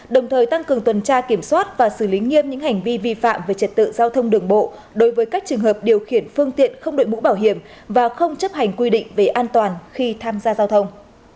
đồng thời tăng cường tuần tra kiểm soát và xử lý nghiêm những hành vi vi phạm về trật tự giao thông đường bộ đối với các trường hợp điều khiển phương tiện không đội mũ bảo hiểm và không chấp hành quy định về an toàn khi tham gia giao thông